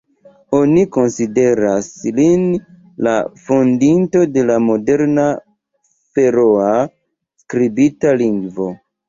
Oni konsideras lin la fondinto de la moderna feroa skribita lingvo.